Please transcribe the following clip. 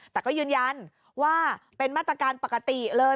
แต่ก็ยืนยันว่าเป็นมาตรการปกติเลย